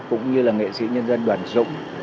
cũng như là nghệ sĩ nhân dân đoàn dũng